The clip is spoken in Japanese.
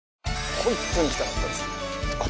本当に来たかったんです。